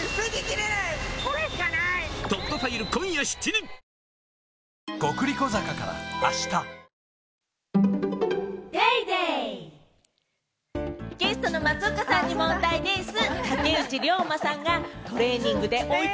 ニトリゲストの松岡さんに問題でぃす。